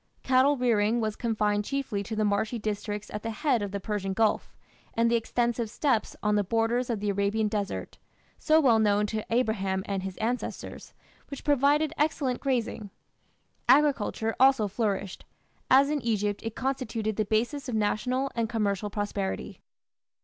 Cattle rearing was confined chiefly to the marshy districts at the head of the Persian Gulf, and the extensive steppes on the borders of the Arabian desert, so well known to Abraham and his ancestors, which provided excellent grazing. Agriculture also flourished; as in Egypt it constituted the basis of national and commercial prosperity.